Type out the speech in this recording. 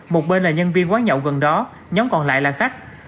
một bên là nhân viên quán nhậu gần đó nhóm còn lại là khách